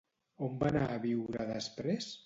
On va anar a viure després?